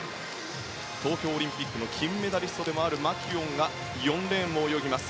東京オリンピックの金メダリストでもあるマキュオンが４レーンを泳ぎます。